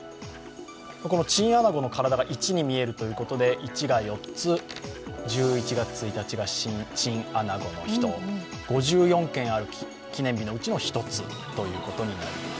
このチンアナゴの体が１に見えるということで、１が４つ、１１月１日がチンアナゴの日と５４ある記念日の１つということになります。